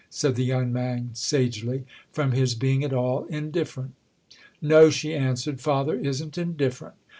said the young man sagely—"from his being at all indifferent." "No," she answered—"father isn't indifferent.